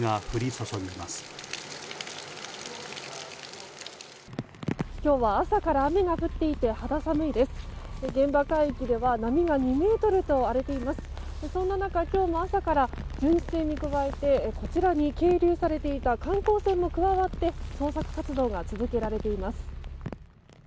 そんな中、今日も朝から巡視船に加えてこちらに係留されていた観光船も加わって捜索活動が続けられています。